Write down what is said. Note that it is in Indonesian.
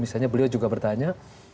misalnya beliau juga bertanya